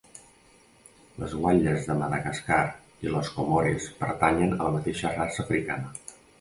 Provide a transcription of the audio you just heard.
Les guatlles de Madagascar i les Comores pertanyen a la mateixa raça africana.